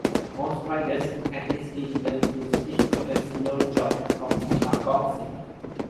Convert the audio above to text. Most riders can easily learn to sit a slow jog trot without bouncing.